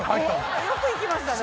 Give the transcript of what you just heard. よく行きましたね。